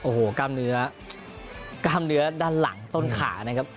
โอ้โหกล้ามเนื้อกล้ามเนื้อด้านหลังต้นขานะครับ